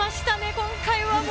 今回は。